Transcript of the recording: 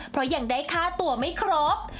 เพราะอย่างใดค้าตัวไม่ครบ